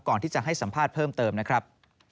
ก่อนที่จะให้สัมภาษณ์เพิ่มเติมนะครับ